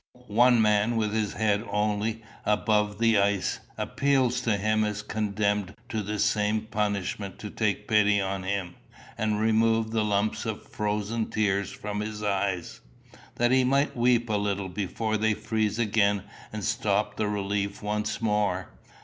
One man with his head only above the ice, appeals to him as condemned to the same punishment to take pity on him, and remove the lumps of frozen tears from his eyes, that he may weep a little before they freeze again and stop the relief once more.